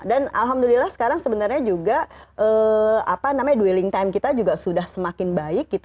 dan alhamdulillah sekarang sebenarnya juga dwelling time kita sudah semakin baik